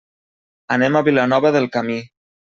Anem a Vilanova del Camí.